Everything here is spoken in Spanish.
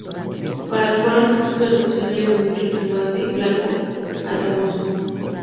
Paradójicamente, su rebelión ayudó mucho al avance blanco hacia Moscú.